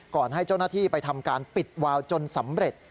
ให้เจ้าหน้าที่ไปทำการปิดวาวจนสำเร็จ